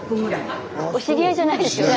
スタジオお知り合いじゃないですよね？